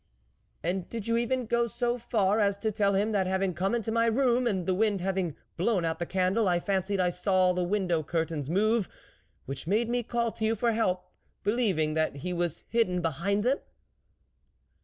" And did you even go so far as to tell him that having come into my room, and the wind having blown out the candle, I fancied I saw the window curtains move, which made me call to you for help, be lieving that he was hidden behind them